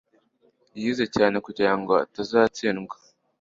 Yize cyane kugirango atazatsindwa